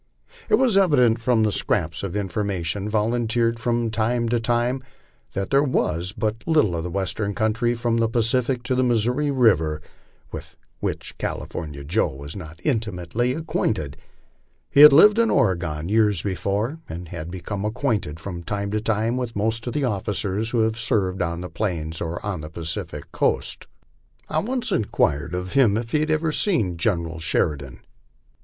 It was evident from the scraps of information volunteered from time to time, that there wa but little of the Western country from the Pacific to the Missouri river with which California Joe was not intimately acquainted. He had lived in Oregon years before, and had become acquainted from time to time with most of the officers who had served on the plains or on the Pacific coast. I once inquired of him if he had ever seen General Sheridan?